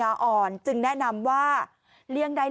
กินให้ดูเลยค่ะว่ามันปลอดภัย